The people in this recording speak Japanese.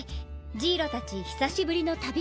ジイロたち久しぶりの旅人。